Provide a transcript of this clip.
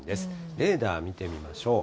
レーダー見てみましょう。